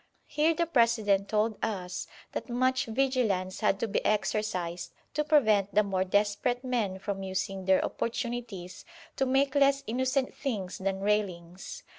Here the President told us that much vigilance had to be exercised to prevent the more desperate men from using their opportunities to make less innocent things than railings.